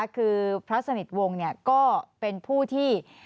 คือพระสนิทวงศ์ก็เป็นผู้ที่